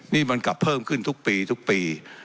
นี่มันกลับเพิ่มขึ้นทุกปีทุกปี